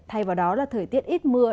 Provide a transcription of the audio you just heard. thay vào đó là thời tiết ít mưa